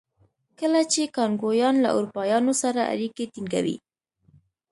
کله چې کانګویان له اروپایانو سره اړیکې ټینګوي.